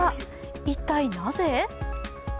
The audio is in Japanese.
一体なぜ？